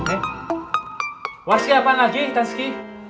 eh warski apaan lagi tanski